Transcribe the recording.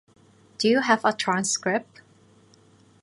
Do you have a transcript?